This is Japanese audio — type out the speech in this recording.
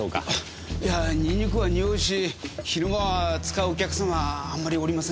いやニンニクはにおうし昼間は使うお客様はあんまりおりません。